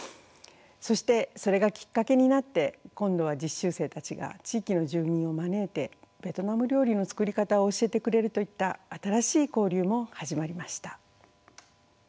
そしてそれがきっかけになって今度は実習生たちが地域の住民を招いてベトナム料理の作り方を教えてくれるといった新しい交流も始まりました。